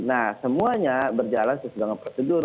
nah semuanya berjalan sesuai dengan prosedur